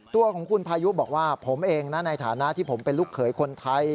ตัวของคุณพายุบอกว่าผมเองนะในฐานะที่ผมเป็นลูกเขยคนไทย